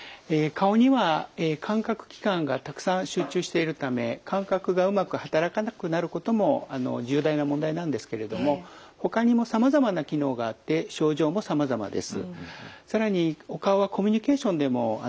顔には感覚器官がたくさん集中しているため感覚がうまく働かなくなることも重大な問題なんですけれどもほかにもさまざまな機能があって症状もさまざまです。